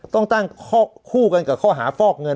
ต้องตั้งคู่กันกับข้อหาฟอกเงิน